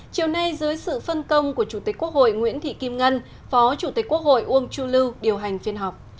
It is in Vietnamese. chiều nay dưới sự phân công của chủ tịch quốc hội nguyễn thị kim ngân phó chủ tịch quốc hội uông chu lưu điều hành phiên họp